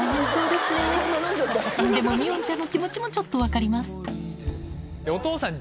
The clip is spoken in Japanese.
でも美音ちゃんの気持ちもちょっと分かりますお父さん。